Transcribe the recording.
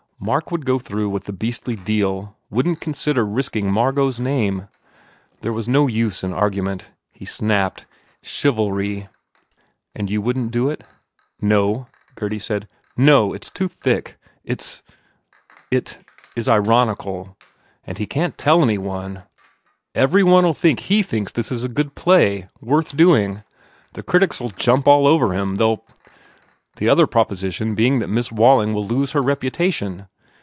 Mark would go through with the beastly deal, wouldn t consider risking Margot s name. There was no use in argument. He snapped, "Chivalry!" "And you wouldn t do it?" "No," said Gurdy, "No ! It s too thick. It is ironical. And he can t tell any one. Every 277 THE FAIR REWARDS one ll think he thinks this is a good play worth doing. The critics ll jump all over him. They ll " "The other proposition being that Miss Wall ing will lose her reputation?